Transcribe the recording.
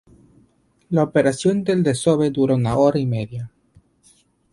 La operación del desove dura una hora y media.